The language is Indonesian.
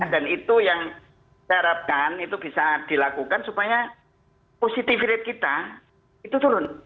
dan itu yang saya harapkan itu bisa dilakukan supaya positif rate kita itu turun